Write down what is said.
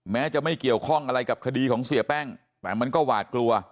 แม้จะไม่เกี่ยวข้องอะไรกับคดีของเสียแป้งแต่มันก็หวาดกลัว